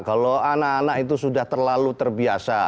kalau anak anak itu sudah terlalu terbiasa